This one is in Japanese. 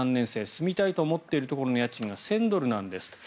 住みたいと思っているところの家賃が１０００ドルなんですと。